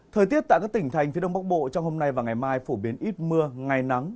thời tiết tại các tỉnh thành phía đông bắc bộ trong hôm nay và ngày mai phổ biến ít mưa ngày nắng